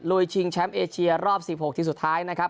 ชิงแชมป์เอเชียรอบ๑๖ทีมสุดท้ายนะครับ